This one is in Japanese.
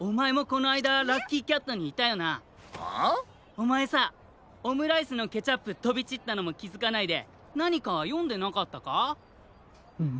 おまえさオムライスのケチャップとびちったのもきづかないでなにかよんでなかったか？